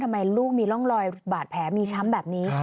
ทำไมลูกมีร่องรอยบาดแผลมีช้ำแบบนี้